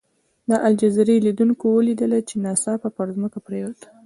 د الجزیرې لیدونکو ولیدله چې ناڅاپه پر ځمکه پرېوته.